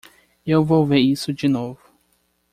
Eu vou ver isso de novo.